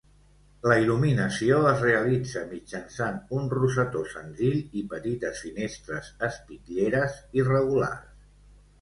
La il·luminació es realitza mitjançant un rosetó senzill i petites finestres espitlleres irregulars.